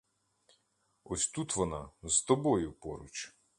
Ось тут вона, з тобою поруч.